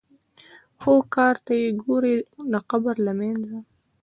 خو کار ته یې ګورې د قبر له منځه.